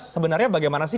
sebenarnya bagaimana sih